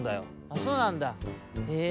「あっそうなんだ。へえ」。